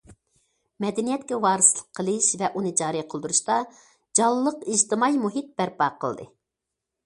مەدەنىيەتكە ۋارىسلىق قىلىش ۋە ئۇنى جارى قىلدۇرۇشتا جانلىق ئىجتىمائىي مۇھىت بەرپا قىلدى.